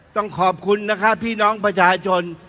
ต้องขอบคุณนะคะพี่น้องประชาชน